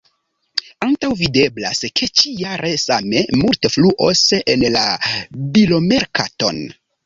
Antaŭvideblas ke ĉi-jare same multe fluos en la bilomerkaton.